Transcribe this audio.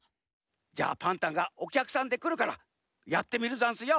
じゃあパンタンがおきゃくさんでくるからやってみるざんすよ。